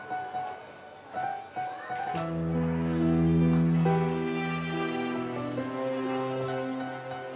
aku belum men gerak